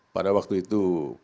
pada waktu itu